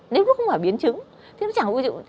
nếu nó không phải biến trứng